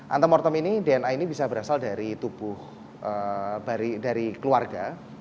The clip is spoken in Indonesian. antemortem ini dna ini bisa berasal dari tubuh dari keluarga